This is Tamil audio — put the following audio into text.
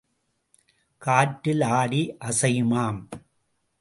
காற்றில் ஆடி ஆசையுமாம்.